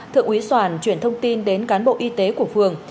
thượng úy soàn chuyển thông tin đến cán bộ y tế của phường